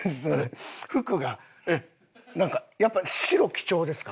服がなんかやっぱ白基調ですか？